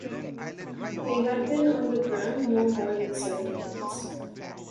They had been on the ground no more than seven minutes.